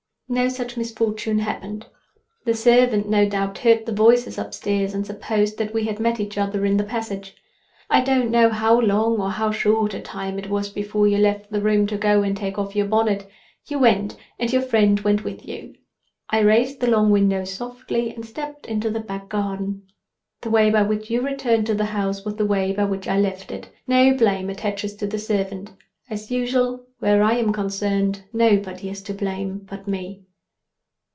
No such misfortune happened. The servant, no doubt, heard the voices upstairs, and supposed that we had met each other in the passage. I don't know how long or how short a time it was before you left the room to go and take off your bonnet—you went, and your friend went with you. I raised the long window softly, and stepped into the back garden. The way by which you returned to the house was the way by which I left it. No blame attaches to the servant. As usual, where I am concerned, nobody is to blame but me.